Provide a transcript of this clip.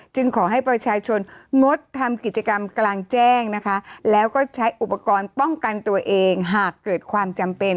ขอให้ประชาชนงดทำกิจกรรมกลางแจ้งนะคะแล้วก็ใช้อุปกรณ์ป้องกันตัวเองหากเกิดความจำเป็น